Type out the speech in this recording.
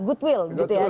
goodwill dari pemerintah